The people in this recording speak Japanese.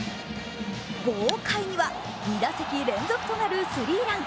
ゴー回には２打席連続となるスリーラン。